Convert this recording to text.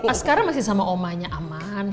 askara masih sama omanya aman